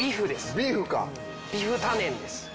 ビフ・タネンです。